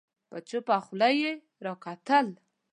په چوپه خوله يې راکتل